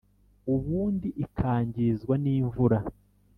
ubundi ikangizwa n’imvura